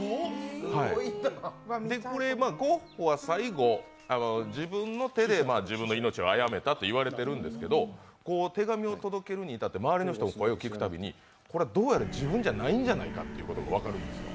ゴッホは最後自分の手で自分の命をあやめたと言われるんですけれども、手紙を届けるに至って周りの声を聞くたびにこれはどうやら自分じゃないんじゃないかということが分かるんです。